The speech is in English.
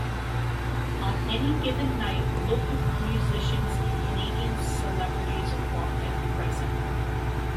On any given night, local musicians and Canadian celebrities are often present.